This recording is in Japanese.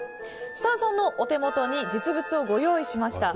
設楽さんのお手元に実物をご用意しました。